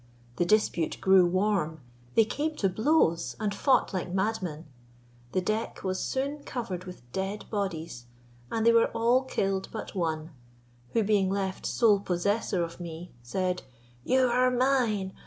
The dispute grew warm, they came to blows, and fought like madmen. The deck was soon covered with dead bodies, and they were all killed but one, who being left sole possessor of me, said, "You are mine.